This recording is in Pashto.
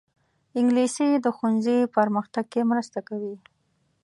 انګلیسي د ښوونځي پرمختګ کې مرسته کوي